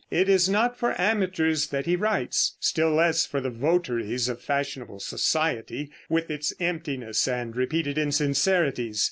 It is not for amateurs that he writes, still less for the votaries of fashionable society, with its emptiness and repeated insincerities.